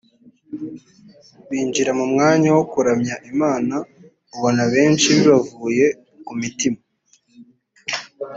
binjira mu mwanya wo kuramya Imana ubona benshi bibavuye ku mitima